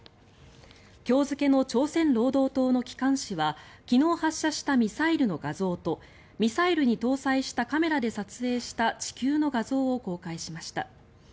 今日付の朝鮮労働党の機関紙は昨日発射したミサイルの画像とミサイルに搭載したカメラで撮影した地球の画像を公開しました。